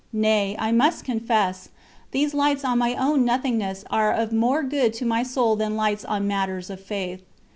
Nay, I must confess, these lights on my own nothingness are of more good to my soul than lights on matters of Faith.